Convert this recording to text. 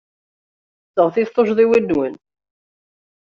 Seɣtit tuccḍiwin-nwen.